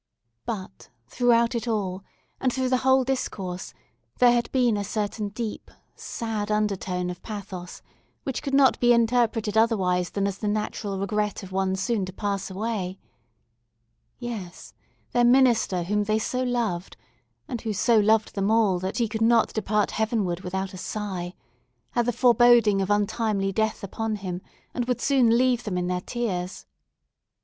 But, throughout it all, and through the whole discourse, there had been a certain deep, sad undertone of pathos, which could not be interpreted otherwise than as the natural regret of one soon to pass away. Yes; their minister whom they so loved—and who so loved them all, that he could not depart heavenward without a sigh—had the foreboding of untimely death upon him, and would soon leave them in their tears.